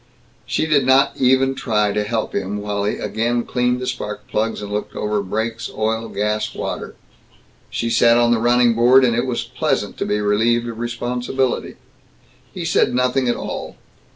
She did not even try to help him while he again cleaned the spark plugs and looked over brakes, oil, gas, water. She sat on the running board, and it was pleasant to be relieved of responsibility. He said nothing at all.